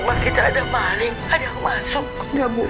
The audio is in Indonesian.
ada yang masuk nggak bu